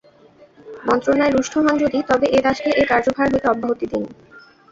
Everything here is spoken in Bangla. মন্ত্রণায় রুষ্ট হন যদি তবে এ দাসকে এ কার্যভার হইতে অব্যাহতি দিন।